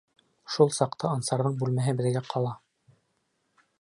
Шул саҡта Ансарҙың бүлмәһе беҙгә ҡала.